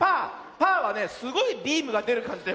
パーはねすごいビームがでるかんじだよ。